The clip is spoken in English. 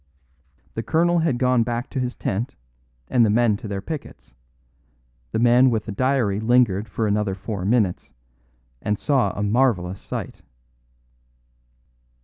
The colonel had gone back to his tent, and the men to their pickets; the man with the diary lingered for another four minutes, and saw a marvellous sight.